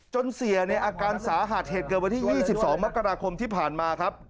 จนเสียในอาการสาหัสเหตุเกิดวันที่๒๒มกราคมที่ผ่านมาครับ